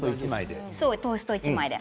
トースト１枚で。